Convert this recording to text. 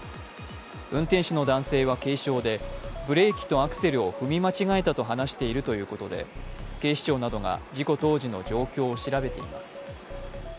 運転手の男性は軽傷でブレーキとアクセルを踏み間違えたと話しているということで警視庁などが事故当時の状況を調べています。